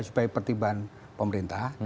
sebagai pertimbangan pemerintah